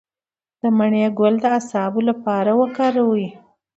د مڼې ګل د اعصابو لپاره وکاروئ